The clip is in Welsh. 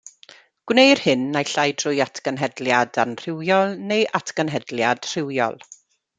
Gwneir hyn naill ai drwy atgenhedliad anrhywiol neu atgenhedliad rhywiol.